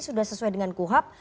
sudah sesuai dengan kuhap